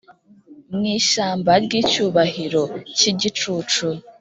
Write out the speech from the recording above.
mwishyamba ryicyubahiro cyigicucu